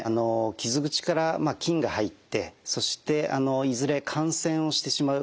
傷口から菌が入ってそしていずれ感染をしてしまう可能性があるわけですね。